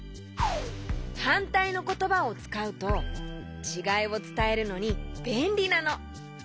はんたいのことばをつかうとちがいをつたえるのにべんりなの！